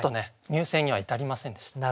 入選には至りませんでした。